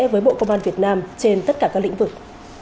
với bộ công an việt nam trên tất cả các lĩnh vực